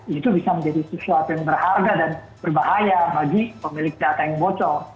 itu bisa menjadi sesuatu yang berharga dan berbahaya bagi pemilik data yang bocor